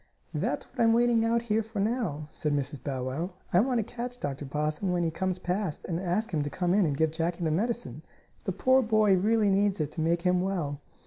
"That's what I'm waiting out here for now," said Mrs. Bow Wow. "I want to catch Dr. Possum when he comes past, and ask him to come in and give Jackie the medicine. The poor boy really needs it to make him well."